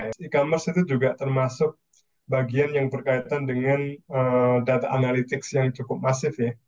e commerce itu juga termasuk bagian yang berkaitan dengan data analitics yang cukup masif ya